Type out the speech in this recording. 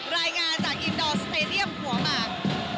รายงานจากอินดอร์สเตดียมหัวหมาก